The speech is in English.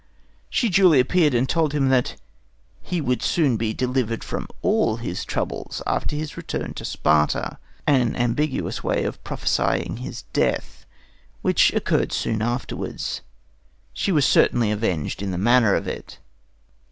She duly appeared, and told him that "he would soon be delivered from all his troubles after his return to Sparta" an ambiguous way of prophesying his death, which occurred soon afterwards. She was certainly avenged in the manner of it.